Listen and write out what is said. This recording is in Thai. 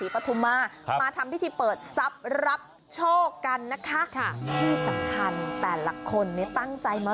ขนมนต์ดีละค่ะคุณผู้ชม